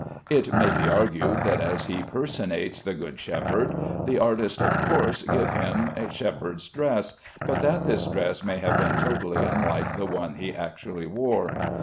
It may be argued that as he personates the Good Shepherd, the artists of course give him a shepherd's dress, but that this dress may have been totally unlike the one he actually wore.